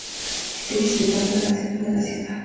Este distrito alberga al centro de la ciudad.